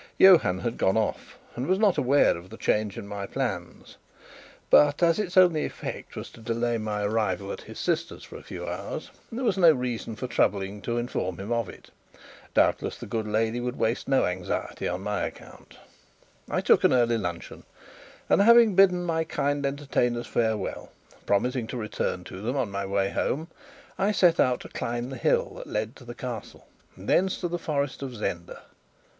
Johann had gone off and was not aware of the change in my plans; but, as its only effect was to delay my arrival at his sister's for a few hours, there was no reason for troubling to inform him of it. Doubtless the good lady would waste no anxiety on my account. I took an early luncheon, and, having bidden my kind entertainers farewell, promising to return to them on my way home, I set out to climb the hill that led to the Castle, and thence to the forest of Zenda.